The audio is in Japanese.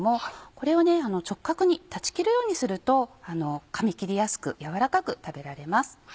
これを直角に断ち切るようにするとかみ切りやすく軟らかく食べられます。